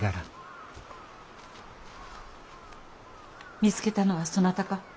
見つけたのはそなたか。